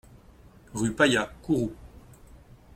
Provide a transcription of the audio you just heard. Rue Paya, Kourou